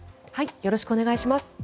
よろしくお願いします。